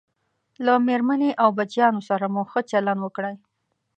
له میرمنې او بچیانو سره مو ښه چلند وکړئ